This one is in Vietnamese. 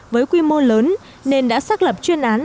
với quy mô lớn nên đã xác lập chuyên án